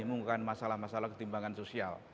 mengumumkan masalah masalah ketimbangan sosial